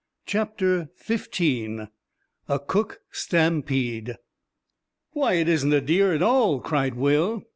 CHAPTER XV A COOK STAMPEDE "Why, it isn't a deer at all!" cried Will.